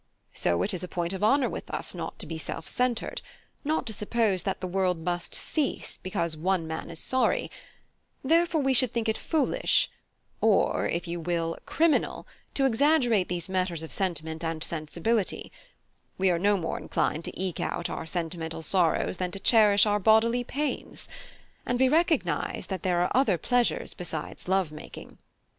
So it is a point of honour with us not to be self centred; not to suppose that the world must cease because one man is sorry; therefore we should think it foolish, or if you will, criminal, to exaggerate these matters of sentiment and sensibility: we are no more inclined to eke out our sentimental sorrows than to cherish our bodily pains; and we recognise that there are other pleasures besides love making.